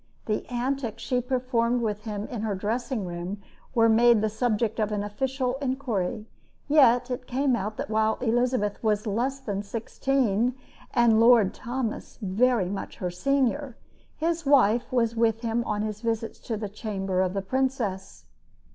The antics she performed with him in her dressing room were made the subject of an official inquiry; yet it came out that while Elizabeth was less than sixteen, and Lord Thomas was very much her senior, his wife was with him on his visits to the chamber of the princess.